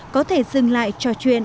có thể dừng lại trò chuyện